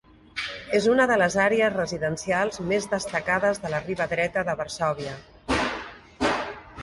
És una de les àrees residencials més destacades de la riba dreta de Varsòvia.